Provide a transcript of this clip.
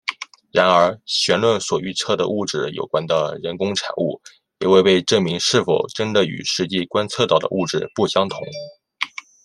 然而弦论所预测的物质有关的人工产物也未被证明是否真的与实际观测到的物质不相同。